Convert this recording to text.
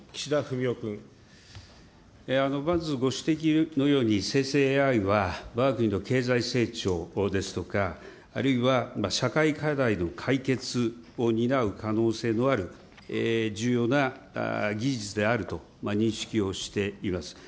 まずご指摘のように、生成ＡＩはわが国の経済成長ですとか、あるいは社会課題の解決を担う可能性のある重要な技術であると認識をしています。